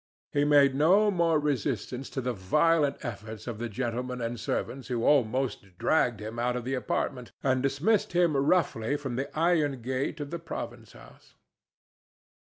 He made no more resistance to the violent efforts of the gentlemen and servants who almost dragged him out of the apartment and dismissed him roughly from the iron gate of the province house.